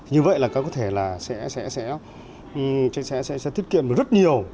như vậy có thể sẽ thiết kiệm được rất nhiều